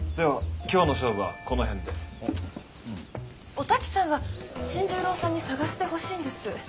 お滝さんは新十郎さんに捜してほしいんです。